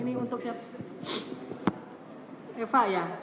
ini untuk siapa eva ya